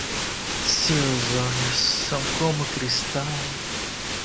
Seus olhos são como cristal